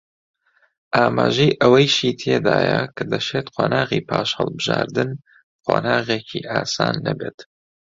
ئاماژەی ئەوەیشی تێدایە کە دەشێت قۆناغی پاش هەڵبژاردن قۆناغێکی ئاسان نەبێت